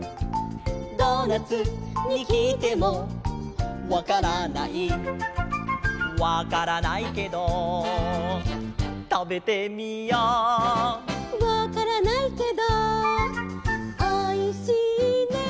「ドーナツにきいてもわからない」「わからないけどたべてみよう」「わからないけどおいしいね」